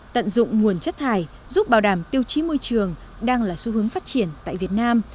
tận dụng nguồn chất thải giúp bảo đảm tiêu chí môi trường đang là xu hướng phát triển tại việt nam